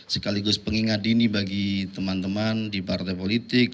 sekaligus pengingat dini bagi teman teman di partai politik